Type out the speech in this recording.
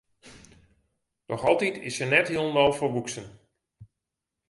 Noch altyd is se net hielendal folwoeksen.